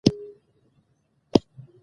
کابل د افغانستان د ځمکې د جوړښت نښه ده.